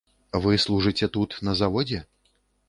Вы служыце тут на заводзе?